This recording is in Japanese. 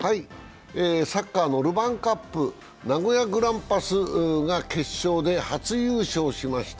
サッカーのルヴァンカップ、名古屋グランパスが決勝で初優勝しました。